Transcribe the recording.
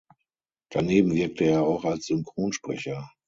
Daneben wirkte er auch als Synchronsprecher.